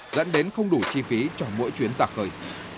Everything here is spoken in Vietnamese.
dẫn đến không đủ chi phí cho mỗi chuyến ra khơi